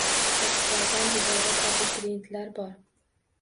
Shaxslardan iborat abituriyentlar bor